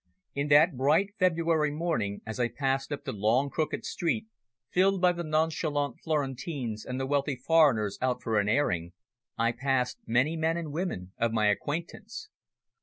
In that bright February morning as I passed up the long, crooked street, filled by the nonchalant Florentines and the wealthy foreigners out for an airing, I passed many men and women of my acquaintance.